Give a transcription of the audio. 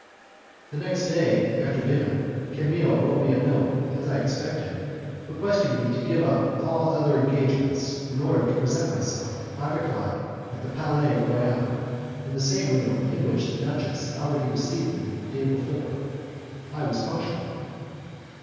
The next day, after dinner, Camille wrote me a note, as I expected, requesting me to give up all other engagements in order to present myself at five o'clock at the Palais Royal, in the same room in which the duchess had already received me the day before. I was punctual.